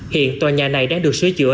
hiện tòa nhà này đã được sửa chữa